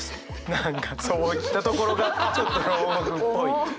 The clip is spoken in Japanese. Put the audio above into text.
何かそう来たところがちょっと牢獄っぽい。